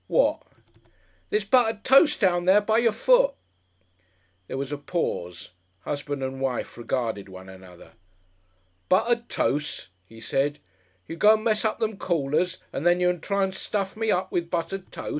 "What?" "There's Buttud Toce down there! By your foot!" There was a pause, husband and wife regarded one another. "Buttud Toce!" he said. "You go and mess up them callers and then you try and stuff me up with Buttud Toce!